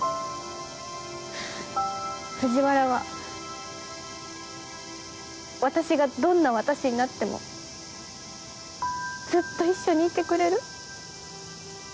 藤原は私がどんな私になってもずっと一緒にいてくれる？